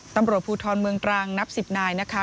ตำรวจภูทรเมืองตรังนับ๑๐นายนะคะ